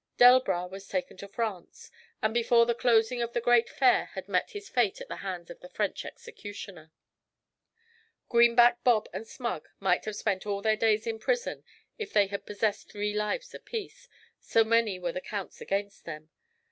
Delbras was taken to France, and before the closing of the great Fair had met his fate at the hands of the French executioner. Greenback Bob and Smug might have spent all their days in prison if they had possessed three lives apiece, so many were the counts against them.